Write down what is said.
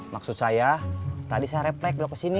maksud saya tadi saya refleks blok kesini